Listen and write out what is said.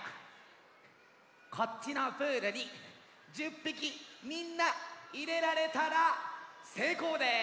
こっちのプールに１０ぴきみんないれられたらせいこうです！